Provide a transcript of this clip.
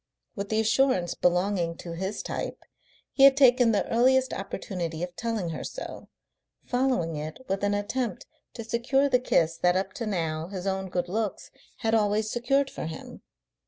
With the assurance belonging to his type, he had taken the earliest opportunity of telling her so, following it with an attempt to secure the kiss that up to now his own good looks had always secured for him.